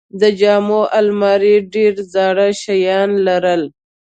د جامو الماری ډېرې زاړه شیان لرل.